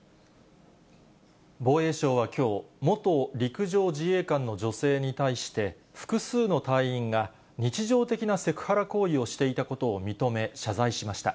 防衛省はきょう、元陸上自衛官の女性に対して、複数の隊員が、日常的なセクハラ行為をしていたことを認め、謝罪しました。